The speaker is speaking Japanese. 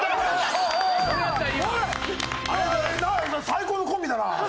最高のコンビだなあそこ。